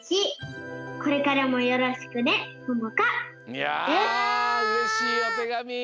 いやうれしいおてがみ！